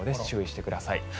注意してください。